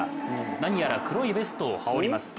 何やら黒いベストを羽織ります。